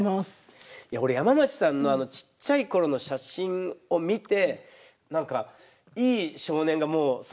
俺山町さんのあのちっちゃい頃の写真を見て何かいい少年がもうその町に育ってるなみたいな。